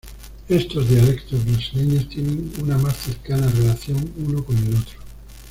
Estos dialectos brasileños tienen una más cercana relación uno con el otro.